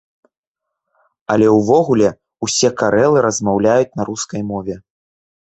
Але ўвогуле, усе карэлы размаўляюць на рускай мове.